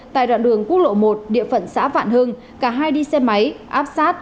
tại đoạn đường quốc lộ một địa phận xã vạn hưng cả hai đi xe máy áp sát